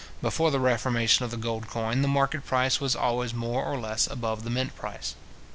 Before the reformation of the gold coin, the market price was always more or less above the mint price.